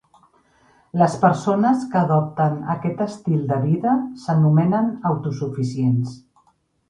Les persones que adopten aquest estil de vida s'anomenen "autosuficients".